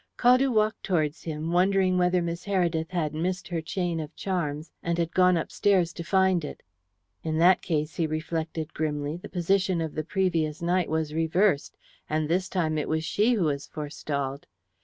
Caldew walked towards him, wondering whether Miss Heredith had missed her chain of charms, and had gone upstairs to find it. In that case, he reflected grimly, the position of the previous night was reversed, and this time it was she who was forestalled.